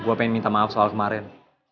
gue pengen minta maaf soal kemarin